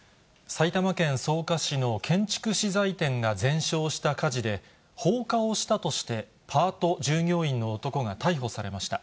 埼玉県草加市の建築資材店が全焼した火事で、放火をしたとして、パート従業員の男が逮捕されました。